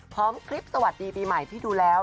พร้อมคลิปสวัสดีปีใหม่ที่ดูแล้ว